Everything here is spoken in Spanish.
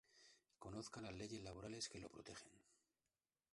Conozca las leyes laborales que lo protegen.